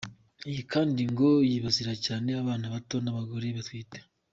Iyi kandi ngo yibasira cyane abana bato n’abagore batwite.